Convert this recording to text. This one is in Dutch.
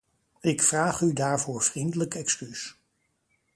Ik vraag u daarvoor vriendelijk excuus.